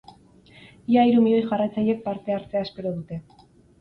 Ia hiru milioi jarraitzailek parte hartzea espero dute.